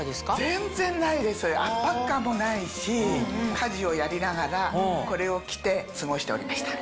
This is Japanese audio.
全然ないです圧迫感もないし家事をやりながらこれを着て過ごしておりました。